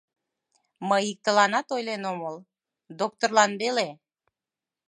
— Мый иктыланат ойлен омыл... доктырлан веле.